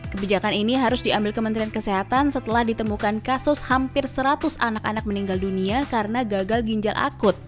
kebijakan ini harus diambil kementerian kesehatan setelah ditemukan kasus hampir seratus anak anak meninggal dunia karena gagal ginjal akut